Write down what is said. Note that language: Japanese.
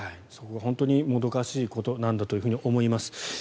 そこが本当にもどかしいことなんだと思います。